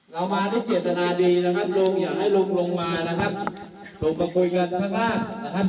เรามาที่เจตนาดีนะครับลุงอย่าให้ลุงลงมานะครับ